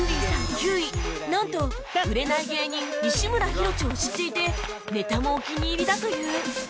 休井なんと売れない芸人西村ヒロチョを知っていてネタもお気に入りだという